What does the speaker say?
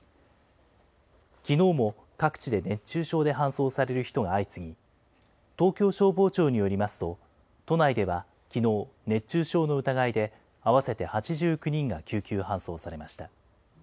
きのうも各地で熱中症で搬送される人が相次ぎ、東京消防庁によりますと、都内ではきのう、熱中症の疑いで合わせて８９人が救急搬送されました。